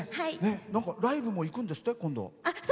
ライブも行くんですって今度。